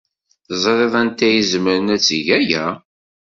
Teẓriḍ anta ay izemren ad teg aya?